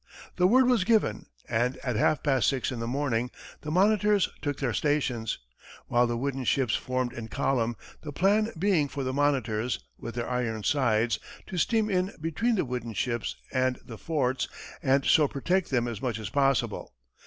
The word was given, and, at half past six in the morning, the monitors took their stations, while the wooden ships formed in column, the plan being for the monitors, with their iron sides, to steam in between the wooden ships and the forts, and so protect them as much as possible.